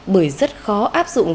bởi rất khó áp dụng